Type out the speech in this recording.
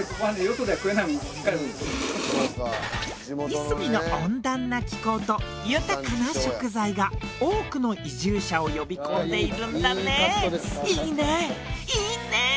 いすみの温暖な気候と豊かな食材が多くの移住者を呼び込んでいるんだね。いいね！いいね！